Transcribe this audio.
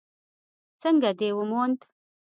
_څنګه دې وموند؟